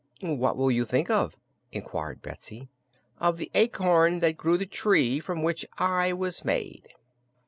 "What will you think of?" inquired Betsy. "Of the acorn that grew the tree from which I was made."